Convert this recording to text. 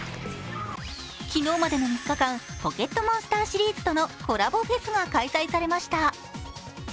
昨日までの３日間、「ポケットモンスター」シリーズとのコラボフェスが開催されました。